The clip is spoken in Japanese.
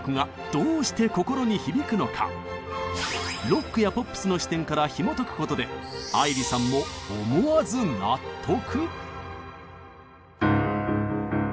ロックやポップスの視点からひもとくことで愛理さんも思わず納得。